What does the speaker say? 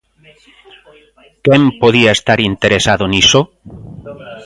¿Quen podía estar interesado niso?